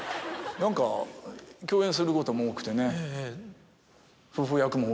何か共演することも多くてね。